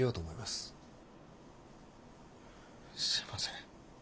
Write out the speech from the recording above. すみません。